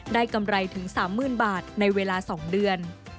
กำไรถึง๓๐๐๐บาทในเวลา๒เดือน